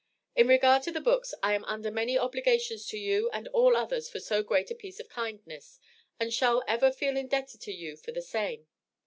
In regard to the books I am under many obligations to you and all others for so great a piece of kindness, and shall ever feel indebted to you for the same.